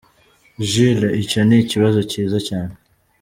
Jules: Icyo ni ikibazo cyiza cyane.